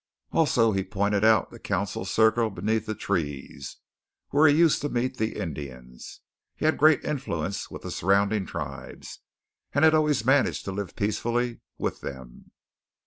Also he pointed out the council circle beneath the trees where he used to meet the Indians. He had great influence with the surrounding tribes; and had always managed to live peacefully with them.